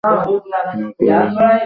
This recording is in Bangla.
মেঘও করিয়াছে, চাঁদও উঠিয়াছে।